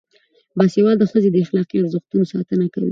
باسواده ښځې د اخلاقي ارزښتونو ساتنه کوي.